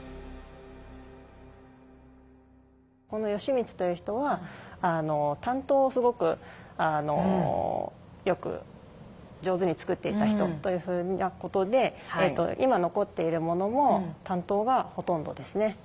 この吉光という人は短刀をすごくよく上手につくっていた人というふうなことで今残っているものも短刀がほとんどですね。